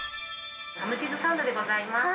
ハムチーズサンドでございます。